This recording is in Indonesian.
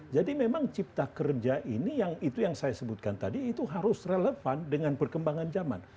jadi memang cipta kerja ini yang itu yang saya sebutkan tadi itu harus relevan dengan perkembangan zaman